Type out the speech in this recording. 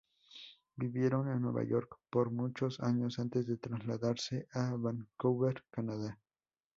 Vivieron en Nueva York por muchos años antes de trasladarse a Vancouver, Canadá.